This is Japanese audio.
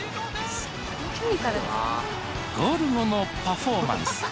ゴール後のパフォーマンス。